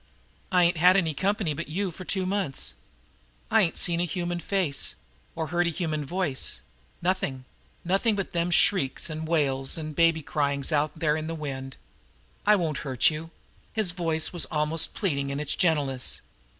I ain't had any company but you for two months. I ain't seen a human face, or heard a human voice nothing nothing but them shrieks 'n' wails 'n' baby cryings out there in the wind. I won't hurt you " His voice was almost pleading in its gentleness.